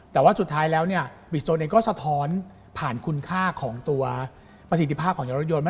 แต่ว่าสุดท้ายแล้วเนี่ยบิสโซนเองก็สะท้อนผ่านคุณค่าของตัวประสิทธิภาพของยางรถยนต์